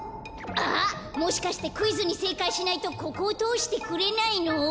あっもしかしてクイズにせいかいしないとここをとおしてくれないの？